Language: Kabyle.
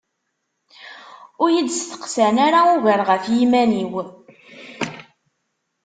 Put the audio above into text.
Ur iyi-d-steqsan ara ugar ɣef yiman-iw.